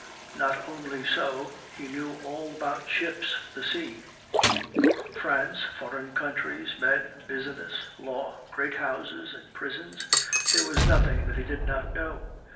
Not only so, he knew all about ships, the sea, France, foreign countries, men, business, law, great houses and prisons, there was nothing that he did not know.